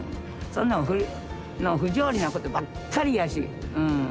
そんなん不条理なことばっかりやし。